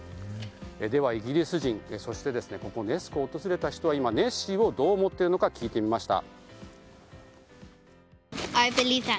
では、イギリス人そしてネス湖を訪れた人は今、ネッシーをどう思っているのか聞いてみました。